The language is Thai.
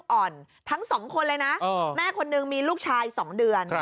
อ่อนทั้งสองคนเลยนะแม่คนนึงมีลูกชาย๒เดือน